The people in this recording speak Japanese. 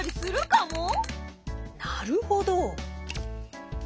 なるほど。